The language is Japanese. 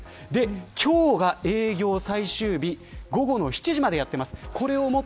今日が営業最終日午後７時までやっています。